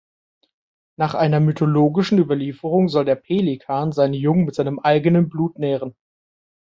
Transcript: Nach einer mythologischen Überlieferung soll der Pelikan seine Jungen mit seinem eigenen Blut nähren.